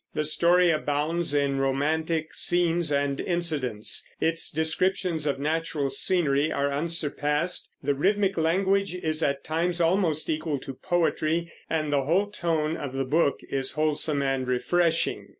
The story abounds in romantic scenes and incidents; its descriptions of natural scenery are unsurpassed; the rhythmic language is at times almost equal to poetry; and the whole tone of the book is wholesome and refreshing.